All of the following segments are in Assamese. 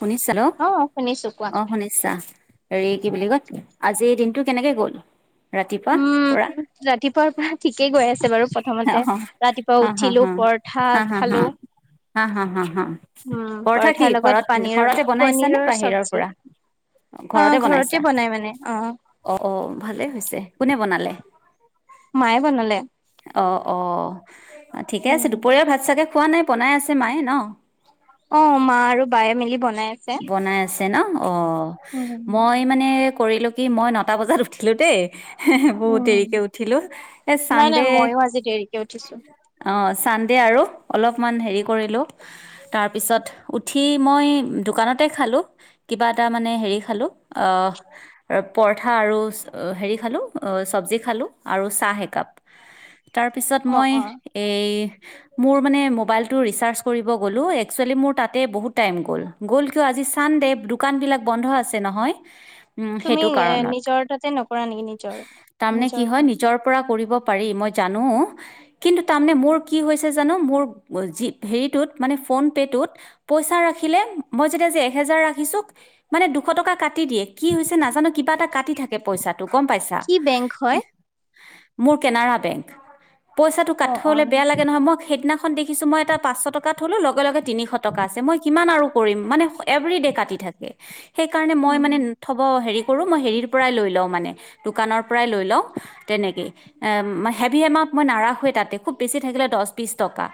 শুনিছা ন অ শুনিছো কোৱা অ শুনিশছা হৰি কি বুলি কয় আজিৰ দিনটো কেনেকে গ'ল ৰাতিপুৱা পৰা উম ৰাতিপুৱাৰ পৰা ঠিকেই গৈ আছে বাৰু অ' প্ৰথমতে হা ৰাতিপুৱা হা হা উঠিলো হা পৰঠা হা হা খালো হা হা হা হা উম কৰথা কি পৰঠাৰ লগত ঘৰত পানীৰ ঘৰতে বনাইছা নে পনীৰৰ বাহিৰৰ চব্জি পৰা অ ঘৰতে বনাই মানে অ অ অ ভালেই হৈছে কোনে বনালে? মায়ে বনালে। অ অ ঠিকে আছে উম দুপৰীয়াাৰ ভাত চাগে খোৱা নাই বনাই আছে মায়ে ন অ মা আৰু বায়ে মিলি বনাই আছে বনাই আছে ন অ উম মই মানে কৰিলো কি মই নটা বজাত উঠিলো দেই বহুত উম দেৰিকে উঠিলো এ নাই নাই চান্দে মইয়ো আজি দেৰিকে উঠিছো অ চানডে আৰু অলপমান হেৰি কৰিলো তাৰপিছত উঠি মই দোকানতে খালোঁ কিবা এটা মানে হেৰি খালোঁ পৰঠা আৰু হেৰি খালো চবজি খালো আৰু চাহ একাপ তাৰ পিছত অ মই অ এই মোৰ মানে মোবাইলটো ৰিচাৰ্জ কৰিব গ'লোঁ এক্সোৱেলি মোৰ তাতে বহুত টাইম গ'ল। গ'ল কিয় আজি চানডে দোকান বিলাক বন্ধ আছে নহয়। উম তুমি সেইটো এ কাৰণত নিজৰ তাতে নকৰা নেকি নিজৰ তাৰ মানে কি নিজৰ হয় কাম নিজৰ পৰা কৰিব পাৰি মই জানোঁ। কিন্তু তাৰমানে মোৰ কি হৈছে জানো মোৰ জি হেৰিটোত মানে ফোনপে'টোত পইচা ৰাখিলে মই যেতিয়া এ হেজাৰ ৰাখিছো মানে, দুশ টকা কাটি দিয়ে কি হৈছে নাজানো এটা কাটি থাকে পইচাটো গম পাইছা কি বেংক হয় মোৰ কেনাৰা বেংক পইচাটো অ অ কাটিলে বেয়া লাগে নহয়, মই সেইদিনাখন দেখিছো মই এটা পাঁচশ টকা থলো লগে লগে [unintelligible] থ'ব উম হেৰি কৰো মই, হেৰিৰ পৰাই লৈ লওঁ মানে দোকানৰ পৰাই লৈ লওঁ তেনেকে, এ হেভি এমাট মই নাৰাখে তাতে খুব বেছি থাকিলে দহ বিশ টকা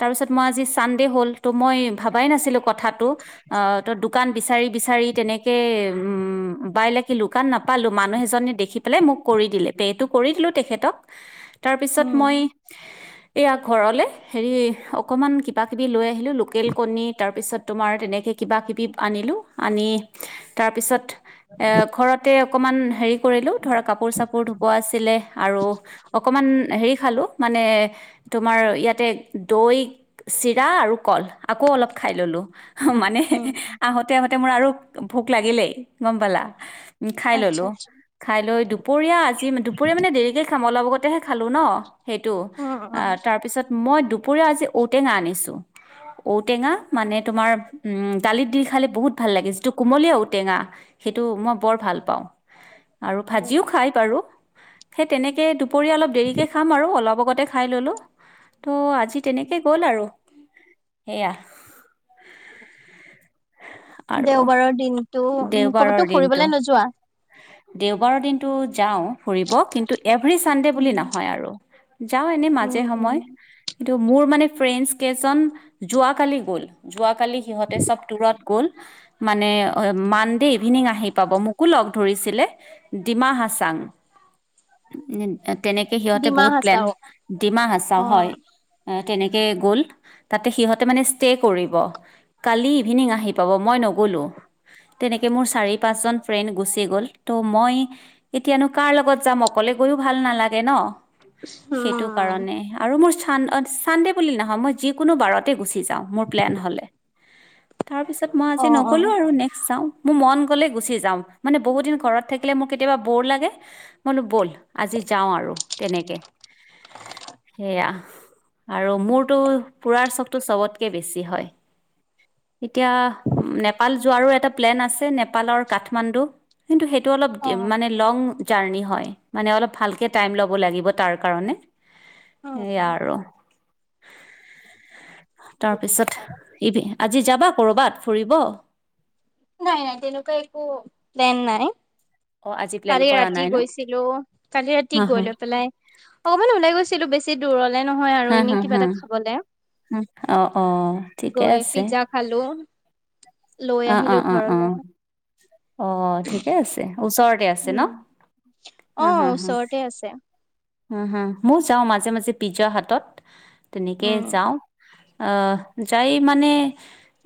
তাৰ পিছত মই আজি চানডে হ'ল ত' মই ভাবাই নাছিলো কথাটো অ', দোকান বিচাৰি বিচাৰি তেনেকে উম বাইলকি লোক দোকান নাপালো, মানুহ এজনী দেখি পেলাই মোক কৰি দিলে পে'টো কৰি দিলো তেখেতক তাৰ পিছত, উম মই এইয়া ঘৰলে হেৰি অকমান কিবা কিবি লৈ আহি লোকেল কণী, তাৰপিছত তোমাৰ তেনেকৈ কিবা কিবি আনিলোঁ আনি তাৰপিছত এ, ঘৰতে অকমান হেৰি কৰিলো ধৰা, কাপোৰ চাপোৰ ধুপোৱা আছিলে আৰু অকমান হেৰি খালো মানে, তোমাৰ ইয়াতে দৈ, চিৰা, আৰু কল আকৌ অলপ খাই ললো মানে, উম আহোঁতে আহোতে মোৰ আৰু ভোক লাগিলেই গম পালা উ খাই আচ্ছা ললো, আচ্ছা খাই লৈ দুপৰীয়া আজি দুপৰীয়া মানে দেৰিকে খাম, অলপ আগতেহে খালো ন সেইটো, উম উম তাৰপিছত মই দুপৰীয়া আজি ঔটেঙা আনিছোঁ, ঔটেঙা মানে তোমাৰ উম, দালিত দি খালে বহুত ভাল লাগে, যিটো কুমলীয়া ঔটেঙা সেইটো মই বৰ ভাল পাওঁ, আৰু ভাজিও খাই বাৰু সেই তেনেকৈ, দুপৰীয়া অলপ দেৰিকে খাম আৰু অলপ আগতে খাই ললোঁ ত' আজি তেনেকে গ'ল, আৰু সেয়া আৰু দেউবাৰৰ দিনতটো উ দেওবাৰৰ কবতো দিনটো ফুৰিবলে নোযোৱা দেওবাৰৰ দিনটো যাওঁ ফুৰিব, কিন্তু এভৰি চানডে বুলি উম নহয় আৰু, যাওঁ এনে মাজে উম। সময় কিন্ত মোৰ মানে, ফ্ৰেন্স কেইজন যোৱা কালি‌ গ'ল সিহঁতে চব দূৰত গ'ল মানে মানডে' ইভিনিং আহি পাব মোকো লগ ধৰিছিলে ডিমা হাছাং তেনেকে সিহঁতে ডিমা বহুত প্লেন, হাচাও ডিমা হাচাউ অ হয় তেনেকে গ'ল তাতে সিহঁতে মানে ষ্টে কৰিব কালি ইভিনিং আহি পাব, মই নগ'লোঁ তেনেকৈ মোৰ চাৰি পাঁচজন ফ্ৰেণ্ড গুচি গ'ল, ত' মই এতিয়ানো কাৰ লগত যাম, অকলে গৈও ভাল নালাগে ন সেইটো কাৰণে। আৰু মোৰ চান ছানডে বুলি নহয়, মই যিকোনো বাৰতেই গুচি যাওঁ মোৰ প্লেন হ'লে তাৰপিছত মই অ অ। আজি নগ'লোঁ আৰু নেক্স চাওঁ। মোৰ মন গ'লে গুচি যাম, মানে বহুত দিন ঘৰত থাকিলে মোৰ কেতিয়াবা বৰ লাগে। মই বোলো বল, আজি যাওঁ আৰু তেনেকে। সেয়া, আৰু মোৰতো ফুৰাৰ চখটো চবতকৈ বেছি হয়। এতিয়া নেপাল যোৱাৰো এটা প্লেন আছে, নেপালৰ কাঠমাণ্ডু কিন্তু সেই সেইটো অ মানে অলপ লং জাৰণি হয়, মানে অলপ ভালকে টাইম ল'ব লাগিব তাৰ কাৰণে। সেই উম আৰু। বুজিছো তাৰপিছত, বাৰু আজি যাবা কৰবাত ফুৰিব। নাই, নাই, তেনেকুৱা একো প্লেন নাই। অ আজি প্লেন কালি কৰা ৰাতি নাই ন গৈছিলো, কালি ৰাতি হা হা গৈ লৈ পেলাই অকমান ওলাই গৈছিলো বেছি। দূৰলে নহয় আৰু, এনেই কিবা এটা খাবলে। উ, অ, অ, ঠিকে গৈ আছে। পিজ্জা খালো, লৈ অ অ আহিলো অ অ ঘৰলে। অ', ঠিকে আছে, ওচৰতে আছে ন উম অ হা হা হা। ওচৰতে আছে হম হম, ময় যাও মাজে মাজে পিজ্জা হাতত তেনেকে উম যাও। যাই মানে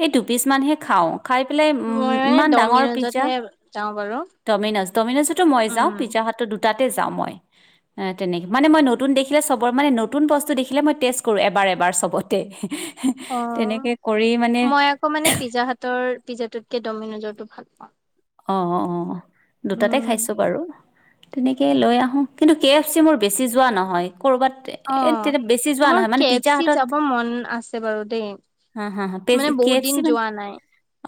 এই দুপিচমানহে খাওঁ। খাই পেলাই উ উ মই মানে ইমান ডাঙৰ পিজ্জা। ডমিনজতহে যাওঁ বাৰু ডমিনজ ডমিনজতো মই যাওঁ উম পিজ্জা হাতত দুটাতে যাওঁ মই। তেনেকৈ মানে মই নতুন দেখিলে চবৰ মানে নতুন বস্তু দেখিলে মই টেষ্ট কৰোঁ এবাৰ এবাৰ চবতে। অ' তেনেকে কৰি মানে মই আকৌ মানে পিজ্জা হাতৰ পিজ্জাটোতকে ডমিনজটো ভাল পাওঁ। অ', অ', দুটাতে উম। খাইছোঁ বাৰু। তেনেকে লৈ আহো কিন্তু কে এফ চি মোৰ বেছি যোৱা নহয় কৰ'বাত এ অ' তেয়া বেছি যোৱা মোৰ নহয় মানে কে এফ পিজ্জা চি হাতত যাব মন আছে বাৰু দেই। হা হা পেজ মানে কে বহুত এফ দিন চি মানে যোৱা নাই।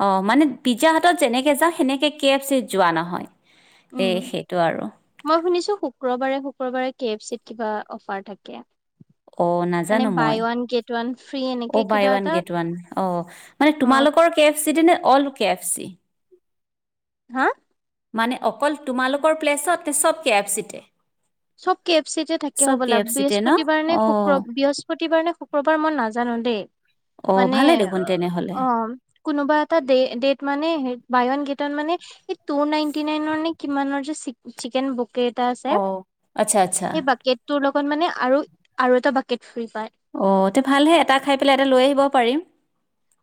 অ' মানে পিজ্জাহাটত যেনেকে যাওঁ সেনেকে কে এফ চিত যোৱা নহয়। এ উম, সেইটো আৰু। মই শুনিছো শুক্ৰবাৰে শুক্ৰবাৰে কে এফ চিত কিবা অফাৰ থাকে। অ' মানে নাজানো বাই মই, ওৱান গেট ওৱান ফ্ৰী এনেকে অ' বাই কিবা ওৱান এটা গেট ওৱান অ' মানে অ' তোমালোকৰ কে এফ চি নে অল কে এফ চি? হা? মানে অকল তোমালোকৰ প্লেচত নে চব কে এফ চিতে। চব কে এফচিতে থাকে চব কে হ'বলা এফ চিতে ন বৃহস্পতিবাৰ নে অঁ শুক্ৰ বৃহস্পতিবাৰ নে শুক্ৰ কবাৰ মই নাজানো দেই অঁ মানে ভালে দেখোন তেনেহ'লে অ কোনোবা এটা ডে-ডেইট মানে বায় ওৱান গেট ওৱান মানে এই টু নাইনটি নাইনৰ নে কিমানৰ যে চিক-চিকেন বকেট। অ' আচ্ছা আচ্ছা। সেই বাকেট তোৰ লগত মানে আৰু-আৰু এটা বাকেট ফ্ৰীৰি পায়। অ' তে ভালহে এটা খাই পেলাই এটা লৈ আহিব পাৰিম।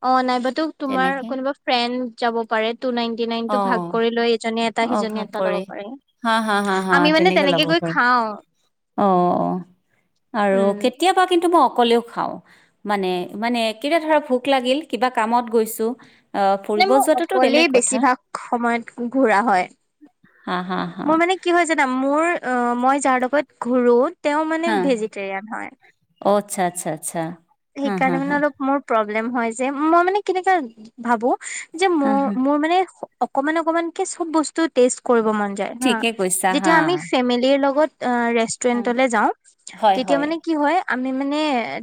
অ' নাইবাতো তোমাৰ তেনেকে কোনোবা ফ্ৰেণ্ড যাব পাৰে টু নাইনটি নাইন টো ভাগ অ', কৰি লৈ এজনে এটা সিজনে অভাৱ এটা ল'ব কৰি পাৰে, হা, হা, হা, হা আমি মানে ল'ব তেনেকে গৈ পাৰি। খাও। অ' আৰু উম কেতিয়াবা কিন্তু মই অকলেও খাওঁ। মানে মানে কেটিয়াবা ধৰা ভোক লাগিল কিবা কামত গৈছোঁ অ' মানে ফুৰিব মোৰ যোৱাততো অকলেই বেলেগ কথা। বেছিভাগ সময়ত ঘূৰা হয়। হা হা। হা মোৰ মানে কি হয় জানা মোৰ অ' মই যাৰ লগত ঘূৰো তেওঁ মানে হা ভেজিটেৰিয়ান হয়। অ' আচ্ছা আচ্ছা আচ্ছা। হা, হা, সেইকাৰণে মানে হা, অলপ মোৰ প্ৰব্লেম হয় যে মই মানে কেনেকা ভাবো যে হা, হা মোৰ-মোৰ মানে অকমান অকমানকে চব বস্তু টেষ্ট কৰিব মন যায় হা ঠিকে কৈছা হা। যেতিয়া আমি ফেমিলিৰ লগত আ ৰেষ্ট ট্ৰেণ্ট উম তলৈ যাওঁ হয়, তেতিয়া হয় মানে কি হয় আমি মানে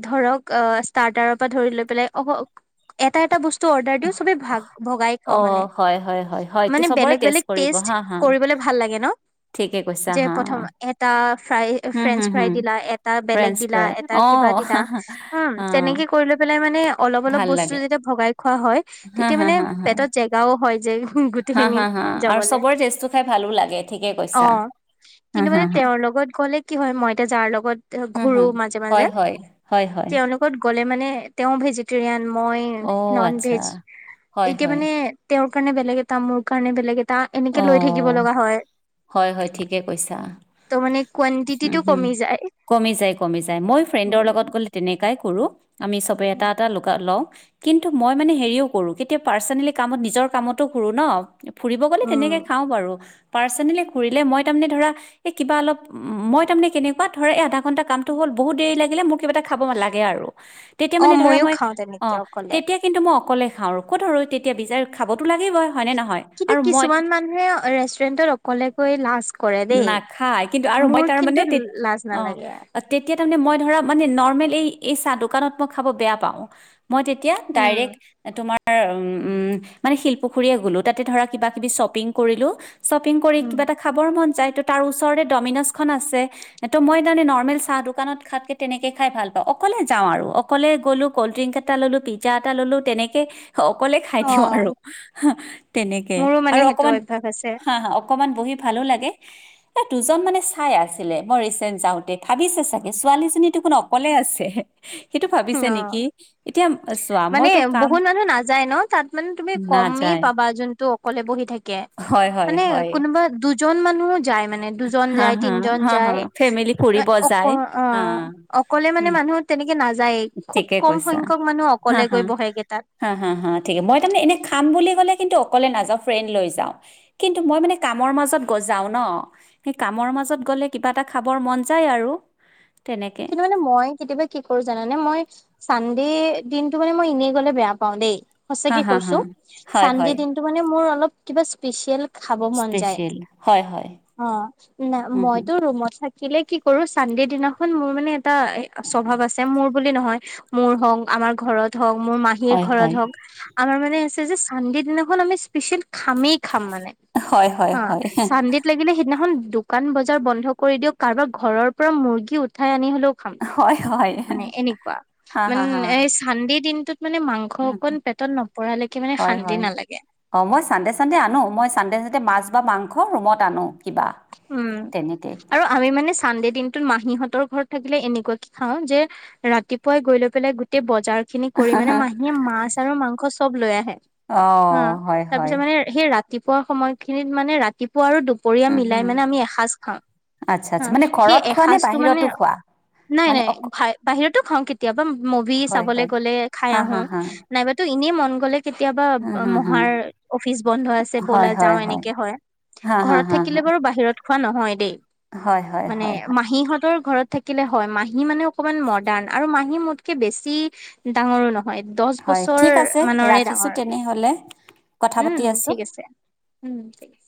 ধৰক আ ষ্টাৰাৰ পৰা ধৰি লৈ পেলাই অ' এটা এটা বস্তু অৰ্ডাৰ দিও ছবেই ভাগ ভগাই খাওঁ মানে, অ', হয়, হয়, হয়, হয় এইটো মানে চবৰে বেলেগ টেষ্ট বেলেগ কৰিব টেষ্টত হা, হা। কৰিবলে ভাল লাগে ন'। ঠিকে কৈছা যে হা, প্ৰথম এটা ফ্ৰাই হম, ফ্ৰেঞ্চ হম, ফ্ৰাই হম দিলা এটা বেলেগ ফ্ৰেঞ্চ দিলা ফ্ৰাই তাৰ কিবা অ', দিনা হম অ', তেনেকে কৰি লৈ পেলাই মানে অলপ অলপ ভাল বস্তু লাগে। যেতিয়া ভগাই খোৱা হয় হা তেতিয়া হা মানে হা হা পেটত জেগাও হয় যে হা হা গোটেইখিনিত হা আৰু যাবলৈ চবৰে টেষ্টটো খাই ভালো লাগে ঠিকে কৈছা অ'। হা কিন্তু হা মানে হা তেওঁৰ লগত গ'লে কি হয় মই এতিয়া যাৰ লগত হা ঘূৰো হা মাজে মাজে হয় হয়, হয়। তেওঁলোকত গ'লে মানে তেওঁ ভেজিত ৰিয়ান মই অ' নন আচ্ছা ভেজ হয় এতিয়া হয় মানে তেওঁৰ কাৰণে বেলেগ এটা মোৰ কাৰণে বেলেগ এটা এনেকে লৈ থাকিব অ' লগা হয়। হয় হয় ঠিকে কৈছা ত' মানে হুম কোৱানটিটিটো হুম কমি যায়। কমি যায় কমি যায় মই উম ফ্ৰেন্দৰ লগত গলে তেনেকাই কৰোঁ আমি চবেই এটা এটা লোকা লওঁ। কিন্তু মই মানে হেৰিও কৰোঁ কেতিয়া পাৰ্চনেলি কামত নিজৰ কামতো কৰোঁ ন ফুৰিব গ'লে উম তেনেকে খাওঁ বাৰু পাৰ্চনেলি কৰিলে মই তাৰমানে ধৰা এই কিবা অলপ উম, মই তাৰমানে কেনেকুৱা ধৰ এ আধা ঘন্টা কামটো হ'ল বহুত দেৰি লাগিলে মোৰ কিবা এটা খাব লাগে আৰু। তেতিয়া অ মানে ধৰা মইয়ো মই খাওঁ তেনেকে অ' অকলে তেতিয়া কিন্তু মই অকলে খাওঁ আৰু ক'ত ৰ তেতিয়া বিচাৰ খাবতো লাগেই গই হয়নে নহয়? কিন্তু আৰু মই কিছুমান মানুহে ৰেষ্টুৰেন্টত অকলে গৈ লাজ কৰে দেই। নাখায় কিন্তু আৰু মই মোৰ তাৰমানে কিন্তু তে লাজ অ নালাগে। তেতিয়া মানে মই ধৰা মানে নৰমেলি এই চাহ দোকানক মই চাহ খাব বেয়া পাওঁ। মই তেতিয়া উম ডাইৰেক্ট তোমাৰ উম, মানে শিলপুখুৰীয়ে গ'লো তাতে ধৰা কিবা কিবি শ্বপিং কৰিলো। শ্বপিং কৰি কিবা এটা খাবৰ মন যায় ত' তাৰ ওচৰতে ডমিন'জখন আছে। ত' মই তাৰমানে নৰ্মেলি চাহ দোকানত খোৱতকে তেনেকে খাই ভাল পাওঁ অকলে যাওঁ আৰু। অকলে গ'লো কল্ড ড্ৰিংক এটা ল'লো পিজ্জা এটা ল'লো তেনেকে অকলে খাই অ দিওঁ আৰু তেনেকে। মোৰো মানে আৰু সেইটো অকমান অভ্যাস আছে হা হা অকমান বহি ভালো লাগে। এ দুজন মানে চাই আছিলে মই ৰিচেট যাওঁতে ভাবিছে চাগে ছোৱালীজনীতো কোনো অকলে আছে। সেইটো অ ভাবিছে নেকি এতিয়া চোৱা মানে মইতো কাম বহুত মানুহ নাযায় ন তাত মানে তুমি কমেই নাযায় পাবা যোন তটো অকলে বহি থাকে হয় হয় মানে হয় কোনোবা দুজন মানুহ যায় মানে দুজন হা যায় হা তিনজন হা হা যায় ফেমিলি ফুৰিব অক যায় হা অ' অকলে মানে উম মানুহ তেনেকে নাযায়েই খুব ঠিকে কম কৈছা সংখ্যক মানুহ হা অকলে হা গৈ বহেগে তাত। হা হা হা ঠিক মই তাৰমানে এনে খাম বুলি ক'লে কিন্তু অকলে নাযাওঁ ফ্ৰেণ্ড লৈ যাওঁ। কিন্তু মই মানে কামৰ মাজত গ যাওঁ ন। সেই কামৰ মাজত গ'লে কিবা এটা খাবৰ মন যায় আৰু। তেনেকে কিন্তু মানে মই কেতিয়াবা কি কৰো জানানে মই চানডে দিনটো মানে মই এনেই গ'লে বেয়া পাওঁ দেই। হা সচাঁকে হা হা কৈছো হয় হয় চান্দেৰ দিনটো মানে মোৰ অলপ কিবা স্পেচিয়েল খাব মন যায় স্পেচিয়েল হয় হয় অ' ন উম হম মইতো ৰুমত থাকি থাকিলে কি কৰো চান্দে দিনাখন মোৰ মানে এটা এ স্বভাৱ আছে মোৰ বুলি নহয় মোৰ হওঁক আমাৰ ঘৰত হওঁক মোৰ মাহীৰ হয় ঘৰত হয় হওঁক। আমাৰ মানে আছে যে চান্ডে দিনাখন আমি স্পেচিয়েল খামে খামে মানে হয় হয় অ' হয় চান্দে লাগিলে সিদিনাখন দোকান বজাৰ বন্ধ কৰি দিয়ক কাৰোবাৰ ঘৰৰ পৰা মুৰ্গী উঠাই আনি হ'লেও খাম হয় হয় মানে এনেকুৱা হা হা হা মানে চান্দে দিনটোত মানে মাংস উম, অকন হুম, পেটত নপৰালৈকে মানে হয় শান্তি হয় নালাগে। অ', মই চানডে চানডে আনো মই চানডে চানডে মাছ বা মাংস ৰুমত আনো কিবা। উম, তেনেকে আৰু আমি মানে চানডে দিনটোত মাহীহঁতৰ ঘৰত থাকিলে এনেকুৱা কে খাওঁ যে ৰাতিপুৱাই গৈ লৈ পেলাই গোটেই বজাৰখিনি কৰি মানে মাহীয়ে মাছ আৰু মাংস চব লৈ আহে। অ', হয় তাৰ হয় পিছত মানে সেই ৰাতিপুৱা সময়খিনিত মানে ৰাতিপুৱা আৰু দুপৰীয়া উম মিলাই হম মানে আমি এসজ খাওঁ। আচ্ছা হা আচ্ছা মানে সেই ঘৰত খোৱা নে এসাজটো মানে বাহিৰতো খোৱা নাই মানে নাই অ বাহিৰতো খাওঁ কেতিয়াবা মুভি হয় চাবলৈ হয় গ'লে খাই হা হা আহো। হা নাইবাতো এনেই মন গ'লে কেতিয়াবা হা হা হা মহাৰ অফিচ বন্ধ আছে হয় ব'লা হয় যাওঁ এনেকে হয়। হা হা ঘৰত হা হা থাকিলে বাৰু বাহিৰত খোৱা নহয় দেই। হয় হয় মানে হয় মাহীহঁতৰ ঘৰত থাকিলে হয় মাহী মানে অকমান মডাৰ্ণ আৰু মাহী মোতকে বেছি ডাঙৰো হয় দছ হয় বছৰ ঠিক আছে মানৰে ৰাখিছোঁ ডাঙৰ। তেনেহ'লে কথা পাতি উম, আছোঁ ঠিক আছে। উম, ঠিক আছে।